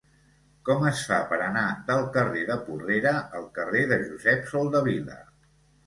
Com es fa per anar del carrer de Porrera al carrer de Josep Soldevila?